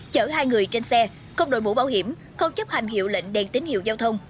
chở hai người trên xe không đổi mũ bảo hiểm không chấp hành hiệu lệnh đèn tín hiệu giao thông